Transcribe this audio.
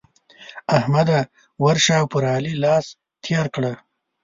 احمده! ورشه او پر علي لاس تېر کړه.